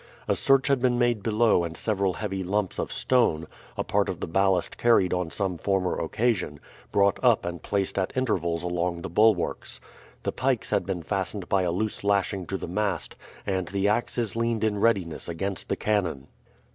A search had been made below and several heavy lumps of stone, a part of the ballast carried on some former occasion, brought up and placed at intervals along the bulwarks. The pikes had been fastened by a loose lashing to the mast, and the axes leaned in readiness against the cannon.